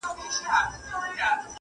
هغه د خلکو له نظره پټه ساتل کيږي هلته.